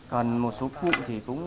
còn một số cụ thì cũng